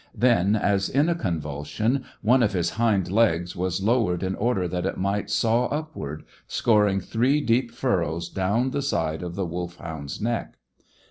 Then, as in a convulsion, one of his hind legs was lowered in order that it might saw upward, scoring three deep furrows down the side of the Wolfhound's neck.